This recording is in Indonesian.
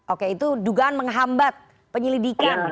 oke itu dugaan menghambat penyelidikan